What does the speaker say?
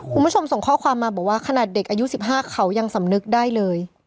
คุณผู้ชมส่งข้อความมาบอกว่าขนาดเด็กอายุ๑๕เขายังสำนึกได้เลย